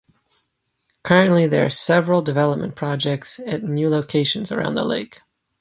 Currently there are several development projects at new locations around the lake.